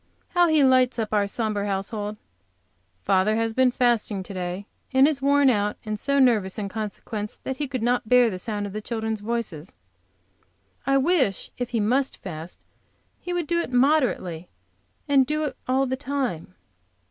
How he lights up our sombre household ! Father has been fasting to day, and is so worn out and so nervous in consequence, that he could not bear the sound of the children's voices. I wish, if he must fast, he would do it moderately, and do it all the time.